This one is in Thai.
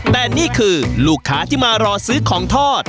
แต่นี่คือลูกค้าที่มารอซื้อของทอด